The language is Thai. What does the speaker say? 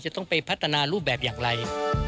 จะต้องไปพัฒนารูปแบบอย่างไร